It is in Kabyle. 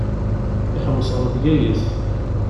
Iḥewwes ar Bgayet.